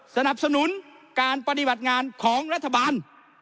สนับสนุนการปฏิบัติงานของรัฐบาล